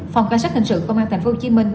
phòng khai sát hình sự công an tp hcm